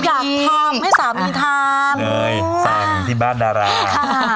อยากทำให้สามีทำเลยสั่งที่บ้านดาราค่ะ